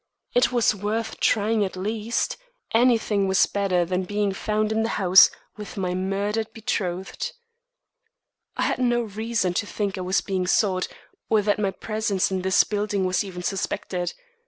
It was worth trying at least; anything was better than being found in the house with my murdered betrothed. I had no reason to think that I was being sought, or that my presence in this building was even suspected.